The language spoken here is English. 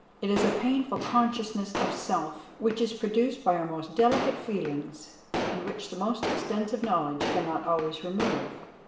It is a painful consciousness of self, which is produced by our most delicate feelings, and which the most extensive knowledge can not always remove.